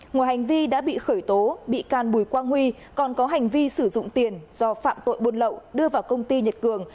ngoài hành vi đã bị khởi tố bị can bùi quang huy còn có hành vi sử dụng tiền do phạm tội buôn lậu đưa vào công ty nhật cường